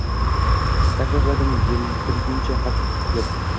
Takrorlardim yirtilguncha xat titilib.